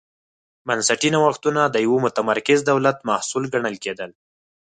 بنسټي نوښتونه د یوه متمرکز دولت محصول ګڼل کېدل.